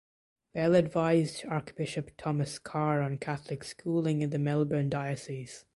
Bell advised Archbishop Thomas Carr on Catholic schooling in the Melbourne diocese.